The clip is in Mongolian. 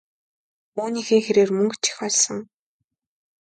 Үүнийхээ хэрээр мөнгө ч их олсон.